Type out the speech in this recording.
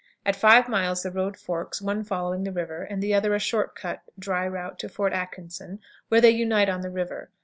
At five miles the road forks, one following the river, the other a "short cut" "dry route" to Fort Atkinson, where they unite on the river.